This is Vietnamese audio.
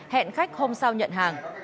hẹn khách hôm sau nhận hàng